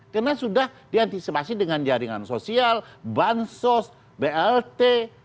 karena sudah diantisipasi dengan jaringan sosial bansos blt